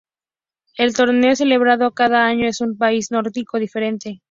El torneo es celebrado a cada año en un país nórdico diferente.